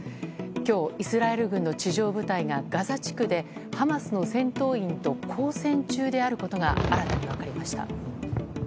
今日、イスラエル軍の地上部隊がガザ地区でハマスの戦闘員と交戦中であることが新たに分かりました。